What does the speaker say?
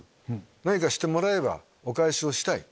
何かしてもらえばお返しをしたい。